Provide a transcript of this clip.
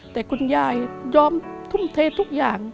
แต่คุณยายยอมทุ่มเททุกอย่าง